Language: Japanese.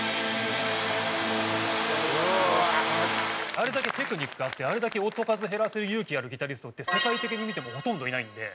あれだけテクニックがあってあれだけ音数を減らせる勇気あるギタリストって世界的に見てもほとんどいないんで。